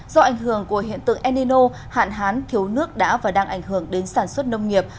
do ảnh hưởng của hiện tượng enino hạn hán thiếu nước đã và đang ảnh hưởng đến sản xuất nông nghiệp